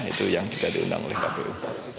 itu yang kita diundang oleh kpu